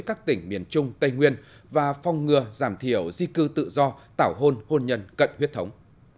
các tỉnh miền trung tây nguyên và phong ngừa giảm thiểu di cư tự do tảo hôn hôn nhân cận huyết thống